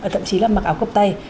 thậm chí là mặc áo cộp tay